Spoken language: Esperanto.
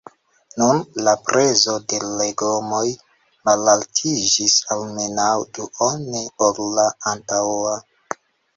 Nun la prezo de legomoj malaltiĝis almenaŭ duone ol la antaŭa.